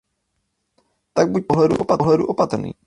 Tak buďte v tomto ohledu opatrný.